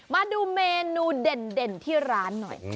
มาดูเมนูเด่นที่ร้านหน่อย